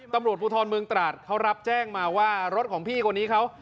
ตำรวจภูทรเมืองตราดเขารับแจ้งมาว่ารถของพี่คนนี้เขา